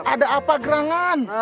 ada apa gerangan